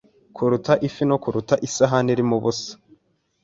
Kuruta ifi nto kuruta isahani irimo ubusa.